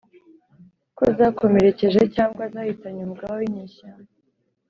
ko zakomerekeje cyangwa zahitanye umugaba w'inyeshyamba.